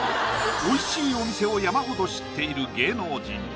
美味しいお店を山ほど知っている芸能人